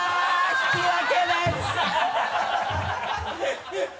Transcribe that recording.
引き分けです。